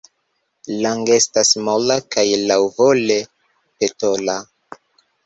Lang' estas mola kaj laŭvole petola.